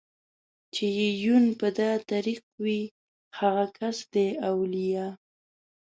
چې يې يون په دا طريق وي هغه کس دئ اوليا